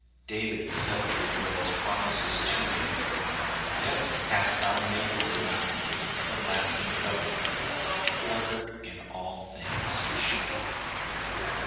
David said of the Lord's promises to him, " Yet hast thou made with me an everlasting covenant, ordered in all things and sure."